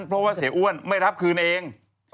เพราะว่าเสียอ้วนไม่รับคืนเอง